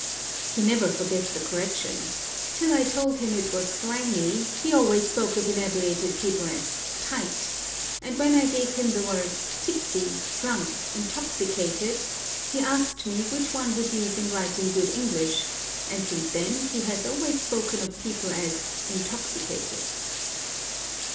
He never forgets a correction. Till I told him it was slangy he always spoke of inebriated people as "tight," and when I gave him the words "tipsy," "drunk," "intoxicated," he asked me which one would use in writing good English, and since then he has always spoken of people as "intoxicated."